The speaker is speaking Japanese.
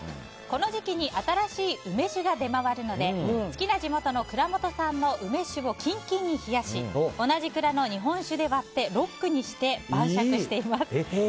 この時期に新しい梅酒が出回るので好きな地元の蔵元さんの梅酒をキンキンに冷やし同じ蔵の日本酒で割ってロックにして晩酌しています。